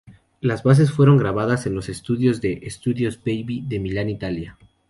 Las bases fueron grabadas en los estudios de: Estudios Baby de Milán, Italia.